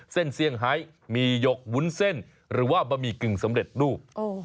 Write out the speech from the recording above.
เซี่ยงไฮมีหยกวุ้นเส้นหรือว่าบะหมี่กึ่งสำเร็จรูป